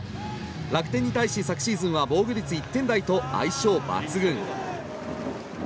楽天に対し昨シーズンは防御率１点台と相性抜群。